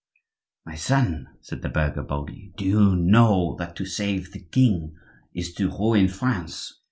"My son," said the burgher, boldly, "do you know that to save the king is to ruin France?